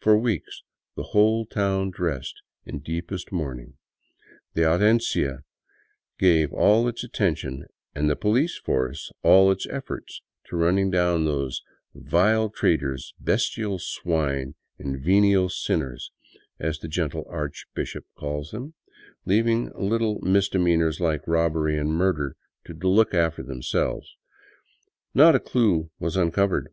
For weeks the whole town dressed in deep est mourning; the andiencia gave all its attention and the police force all its efforts to running down those " vile traitors, bestial swine, and venal sinners," as the gentle archbishop calls them, leaving little mis demeanors like robbery and murder to look after themselves. Not a clue was uncovered.